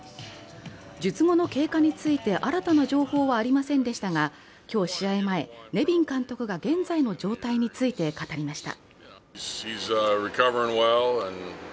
術後の経過について新たな情報はありませんでしたが、今日、試合前、ネビン監督が現在の状態について語りました。